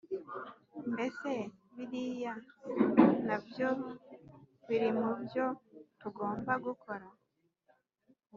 Mbese biriya nabyo birimubyo tugomba gukora